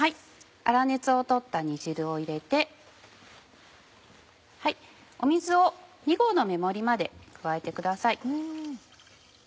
粗熱を取った煮汁を入れて水を２合の目盛りまで加えてください。